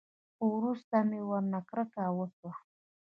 خو وروسته مې ورنه کرکه وسوه.